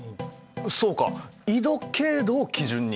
そうか緯度経度を基準に。